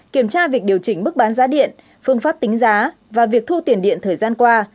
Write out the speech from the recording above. kiểm tra việc điều chỉnh mức bán giá điện phương pháp tính giá và việc thu tiền điện thời gian qua